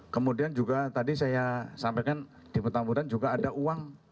kemudian juga tadi saya sampaikan di petamburan juga ada uang